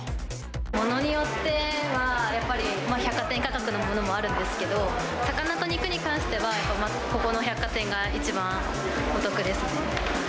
ものによっては、やっぱり百貨店価格のものもあるんですけど、魚と肉に関してはここの百貨店が一番お得ですね。